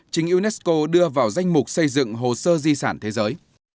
chính unesco đưa vào danh mục xây dựng hồ sơ di sản thế giới